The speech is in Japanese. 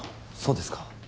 そうですか。